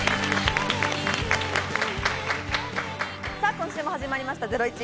今週も始まりました『ゼロイチ』。